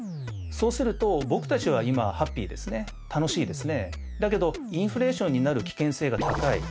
そうすると僕たちは今ハッピーですね楽しいですねだけどインフレーションになる危険性が高い。